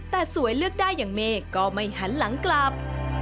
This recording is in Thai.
แต่สวยเลือกได้อย่างเมย์ก็ไม่หันหลังกลับ